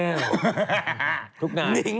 นิ้งมาทำอะไรอีกแล้ว